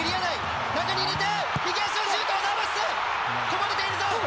こぼれているぞ。